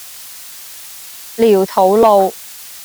寮肚路